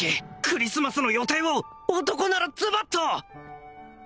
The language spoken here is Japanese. クリスマスの予定を男ならズバッと！